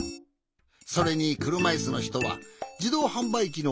それにくるまいすのひとはじどうはんばいきの